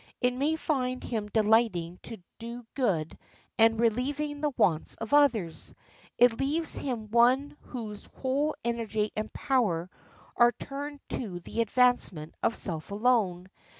It may find him delighting to do good and relieving the wants of others; it leaves him one whose whole energy and power are turned to the advancement of self alone.